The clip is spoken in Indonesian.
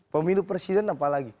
pemilu presiden apalagi